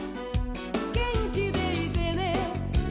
「元気でいてね」